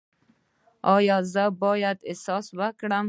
ایا زه باید احسان وکړم؟